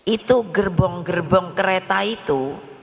itu gerbong gerbong kereta itu